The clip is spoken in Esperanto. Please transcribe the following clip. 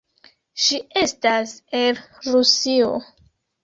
Ŝi estas el Rusio.